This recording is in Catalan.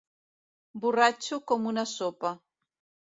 Borratxo com una sopa.